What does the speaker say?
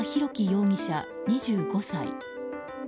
容疑者、２５歳。